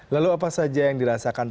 lalu apa saja yang dirasakan